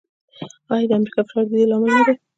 آیا د امریکا فشار د دې لامل نه دی؟